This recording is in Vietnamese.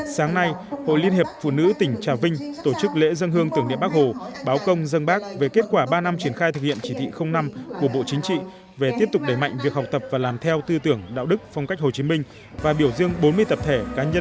sáng nay hội liên hiệp phụ nữ tỉnh trà vinh tổ chức lễ dân hương tưởng địa bắc hồ báo công dân bắc về kết quả ba năm triển khai thực hiện chỉ thị năm của bộ chính trị về tiếp tục đẩy mạnh việc học tập và làm theo tư tưởng đạo đức phong cách hồ chí minh và biểu dương bốn mươi tập thể cá nhân điển hình tiêu biểu trong học tập và làm theo tấm gương của người